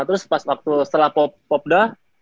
terus pas waktu setelah popda